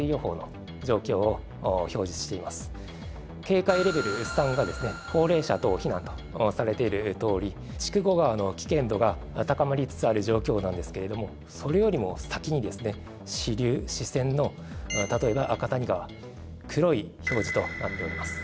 警戒レベル３が高齢者等避難とされているとおり筑後川の危険度が高まりつつある状況なんですけれどもそれよりも先に支流支川の例えば赤谷川黒い表示となっております。